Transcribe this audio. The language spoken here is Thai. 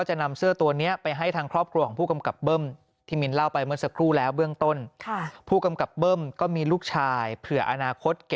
หยุดหยุดหยุดหยุดหยุดหยุดหยุดหยุดหยุด